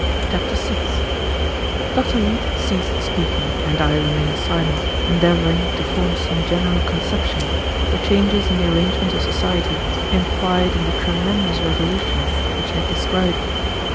Chapter 6 Dr. Leete ceased speaking, and I remained silent, endeavoring to form some general conception of the changes in the arrangements of society implied in the tremendous revolution which he had described.